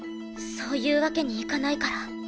そういうわけにいかないから。